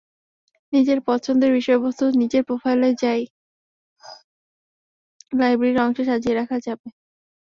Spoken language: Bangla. নিজের পছন্দের বিষয়বস্তু নিজের প্রোফাইলে মাই লাইব্রেরি অংশে সাজিয়ে রাখা যাবে।